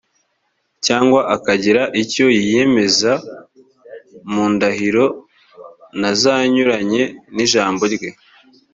cyangwa akagira icyo yiyemeza mu ndahiro, ntazanyuranye n’ijambo rye.